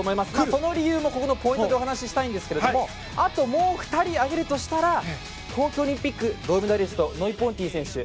その理由もポイントお話ししたいんですけどあともう２人挙げるとしたら東京オリンピック銅メダリストノイ・ポンティ選手。